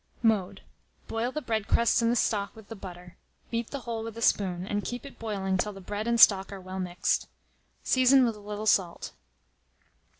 Mode. Boil the bread crusts in the stock with the butter; beat the whole with a spoon, and keep it boiling till the bread and stock are well mixed. Season with a little salt.